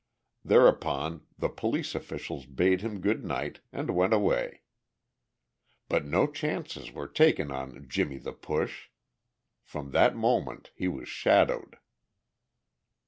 Thereupon the police officials bade him good night and went away. But no chances were taken on "Jimmie the Push." From that moment he was shadowed.